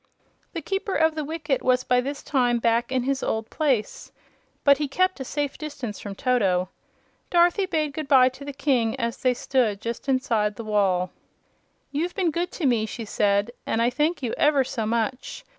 The Keeper of the Wicket was by this time back in his old place, but he kept a safe distance from Toto. Dorothy bade good bye to the King as they stood just inside the wall. "You've been good to me," she said, "and I thank you ever so much.